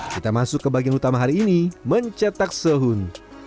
kita masuk ke bagian utama hari ini mencetak sohun